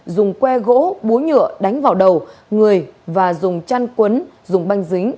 dùng que gỗ búa nhựa đánh vào đầu người và dùng chăn quấn dùng banh dính